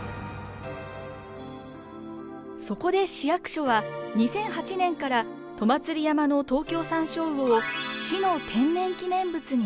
そこで市役所は２００８年から戸祭山のトウキョウサンショウウオを市の天然記念物に指定。